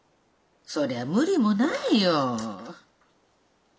そりゃ無理もないよ。